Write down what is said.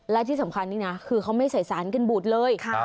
และที่สำคัญนี่นะคือเขาไม่ใส่สารกันบูดเลย